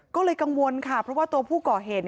ก็เลยกังวลค่ะเพราะว่าตัวผู้ก่อเหตุ